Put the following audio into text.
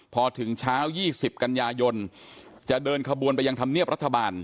พอถึงเช้า๒๐กันยายนจะเดินขบวนไปยังธรรมเนียบรัฐบาล